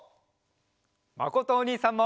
まことおにいさんも！